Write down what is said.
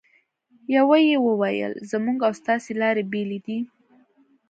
یوه یې وویل: زموږ او ستاسې لارې بېلې دي.